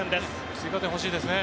追加点欲しいですね